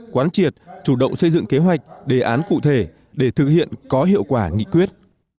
quán triệt chủ động xây dựng kế hoạch đề án cụ thể để thực hiện có hiệu quả nghị quyết